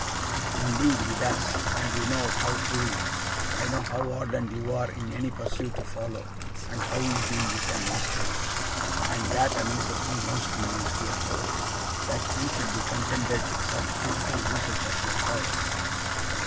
'Indeed he does, and you know how truly; I know how ardent you are in any pursuit you follow, and how easily you can master it. And that amazes me most in you, Steerforth that you should be contented with such fitful uses of your powers.